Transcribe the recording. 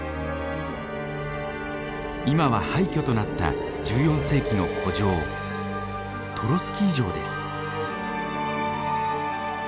今は廃虚となった１４世紀の古城トロスキー城です。